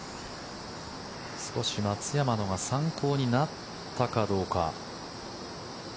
少し松山のが参考になったかどうか。